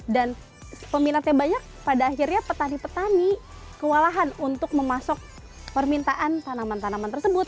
dan peminatnya banyak pada akhirnya petani petani kewalahan untuk memasuk permintaan tanaman tanaman tersebut